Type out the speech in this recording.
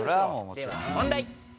では問題。